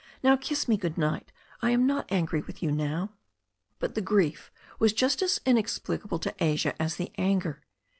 Now, kiss me good night I am not angry with you now." But the grief was just as inexplicabfe to Asia as the anger.